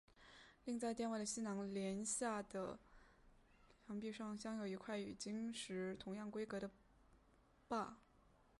另在殿外的西南廊下的墙壁上镶有一块与经石同样规格的跋。